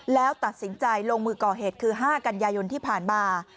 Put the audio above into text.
แล้วตัดสินใจลงมือก่อเหตุคือ๕กันยายนที่ผ่านมา